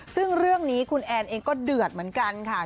ซึ่งเรื่องนี้คุณแอนเองก็เดือดเหมือนกันค่ะ